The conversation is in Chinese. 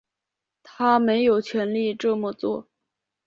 他没有权力这么做